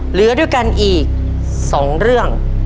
เหลือด้วยกันอีก๒เรื่อง